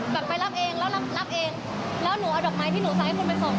ไปรับเองแล้วรับเองแล้วหนูเอาดอกไม้ที่หนูใส่ให้คุณไปส่ง